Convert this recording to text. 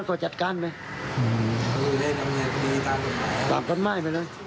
ฝันบ่อย